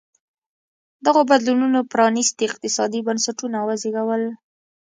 دغو بدلونونو پرانېستي اقتصادي بنسټونه وزېږول.